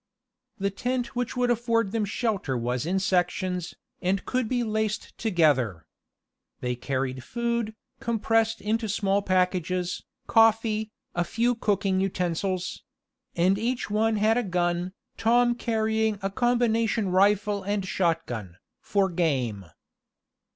The tent which would afford them shelter was in sections, and could be laced together. They carried food, compressed into small packages, coffee, a few cooking utensils; and each one had a gun, Tom carrying a combination rifle and shotgun, for game.